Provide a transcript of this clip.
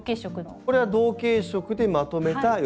これは同系色でまとめた寄せ植え。